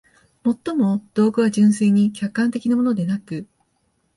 尤も、道具は純粋に客観的なものでなく、